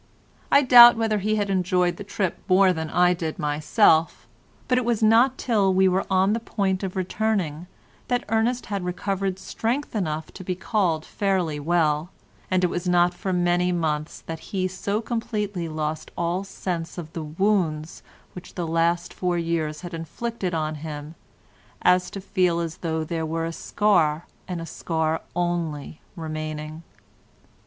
I doubt whether he had enjoyed the trip more than I did myself, but it was not till we were on the point of returning that Ernest had recovered strength enough to be called fairly well, and it was not for many months that he so completely lost all sense of the wounds which the last four years had inflicted on him as to feel as though there were a scar and a scar only remaining.